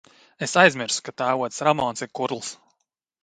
Es aizmirsu, ka tēvocis Ramons ir kurls!